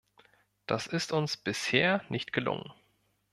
Das ist uns bisher nicht gelungen.